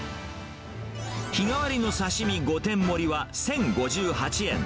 日替わりの刺身５点盛りは１０５８円。